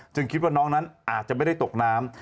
คิดว่าน้องนั้นอาจจะไม่ได้ตกน้ำ